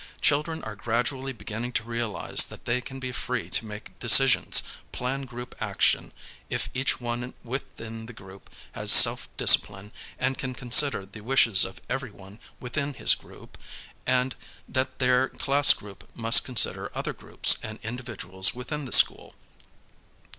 Children are gradually beginning to realize that they can be free to make decisions, plan group action if each one within the group has self discipline and can consider the wishes of everyone within his group, and that their class group must consider other groups and individuals within the school.